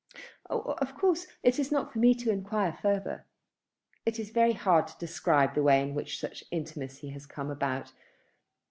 "Of course it is not for me to enquire further." "It is very hard to describe the way in which such an intimacy has come about.